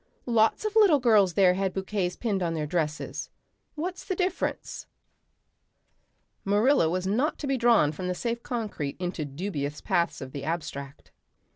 "Lots of little girls there had bouquets pinned on their dresses. What's the difference?" Marilla was not to be drawn from the safe concrete into dubious paths of the abstract.